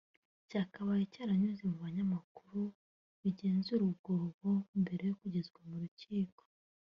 cyakabaye cyaranyuze mu banyamakuru bigenzura ubwabo mbere yo kugezwa mu nkiko